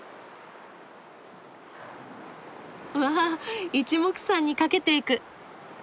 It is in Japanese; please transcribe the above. わあいちもくさんに駆けていく。